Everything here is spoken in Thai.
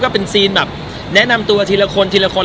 พอสิ้นแบบแนะนำตัวทีละคนทีละคน